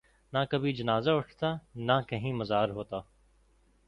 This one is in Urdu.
نہ کبھی جنازہ اٹھتا نہ کہیں مزار ہوتا